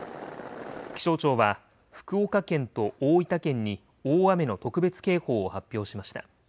気象庁は、福岡県と大分県に大雨の特別警報を発表しました。